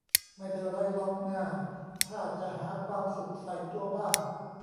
ไม่เป็นไรหรอกน่าถ้าจะหาความสุขใส่ตัวบ้าง